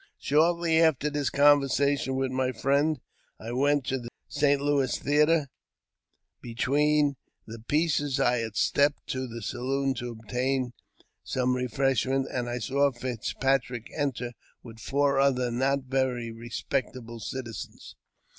Shortly after this conversation with my friend I went to the St. Louis Theatre. Between the pieces I had stepped to the saloon to obtain some refreshments, and I saw Fitzpatrick enter, with four other not very respectable citizens.